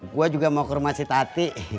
gue juga mau ke rumah si tati